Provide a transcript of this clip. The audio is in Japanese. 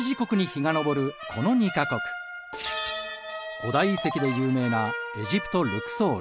古代遺跡で有名なエジプト・ルクソール。